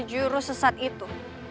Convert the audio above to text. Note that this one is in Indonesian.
jurus sesat itu